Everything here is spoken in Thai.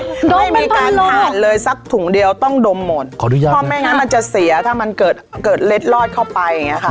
ไม่มีการผ่านเลยสักถุงเดียวต้องดมหมดขออนุญาตเพราะไม่งั้นมันจะเสียถ้ามันเกิดเกิดเล็ดลอดเข้าไปอย่างเงี้ค่ะ